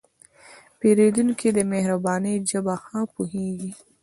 پیرودونکی د مهربانۍ ژبه ښه پوهېږي.